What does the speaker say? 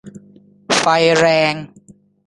ไฟแรง !